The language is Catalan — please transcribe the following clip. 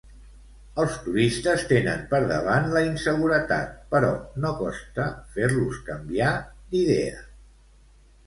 Els turistes tenen por davant la inseguretat però no costa fer-los canviar d'idea.